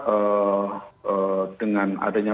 ee dengan adanya